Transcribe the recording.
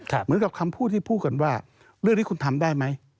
เหมือนกับคำพูดที่พูดกันว่าเรื่องนี้คุณทำได้ไหม